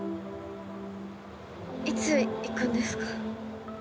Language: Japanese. いつ行くんですか？